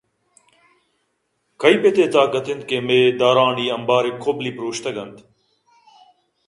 کئی پت ءِ طاقت اِنت کہ مئے دارانی امبارءِ کُبلے پرٛوشتگ اَنت